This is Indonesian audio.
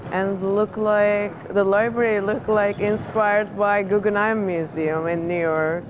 dan kawasan terlihat seperti yang diinspirasi oleh museum guggenheim di new york